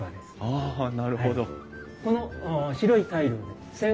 ああなるほど。